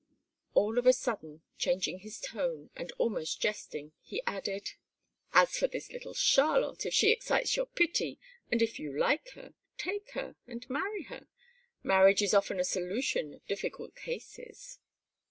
All of a sudden, changing his tone, and almost jesting, he added: "As for this little Charlotte, if she excites your pity, and if you like her, take her, and marry her. Marriage is often a solution of difficult cases.